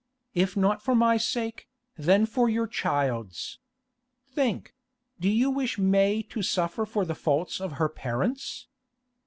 If not for my sake, then for your child's. Think; do you wish May to suffer for the faults of her parents?